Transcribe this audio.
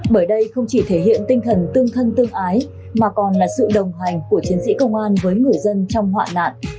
bởi đây không chỉ thể hiện tinh thần tương thân tương ái mà còn là sự đồng hành của chiến sĩ công an với người dân trong hoạn nạn